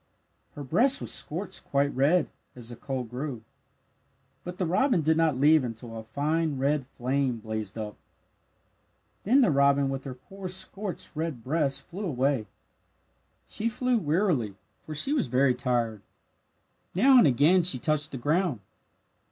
Her breast was scorched quite red, as the coal grew. But the robin did not leave until a fine red flame blazed up. Then the robin with her poor scorched red breast flew away. She flew wearily, for she was very tired. Now and again she touched the ground.